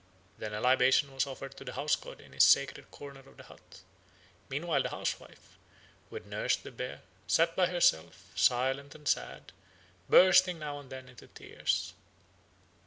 Then a libation was offered to the house god in his sacred corner of the hut. Meanwhile the housewife, who had nursed the bear, sat by herself, silent and sad, bursting now and then into tears.